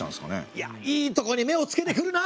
いやいいとこに目をつけてくるな！